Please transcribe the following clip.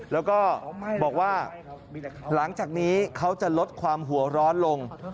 แล้วก็บอกว่าหลังจากนี้เขาจะลดความหัวร้อนลง